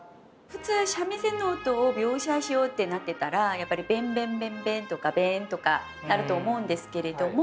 普通三味線の音を描写しようってなってたらやっぱり「ベンベンベンベン」とか「ベーン」とかなると思うんですけれども。